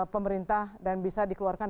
pemerintah dan bisa dikeluarkan